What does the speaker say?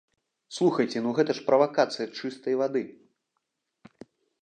Слухайце, ну, гэта ж правакацыя чыстай вады.